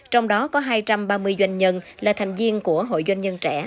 trong đó có hai trăm ba mươi doanh nhân là tham viên của hội doanh nhân trẻ